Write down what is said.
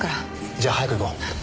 じゃあ早く行こう。